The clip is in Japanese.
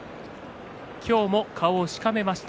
今日も顔をしかめました。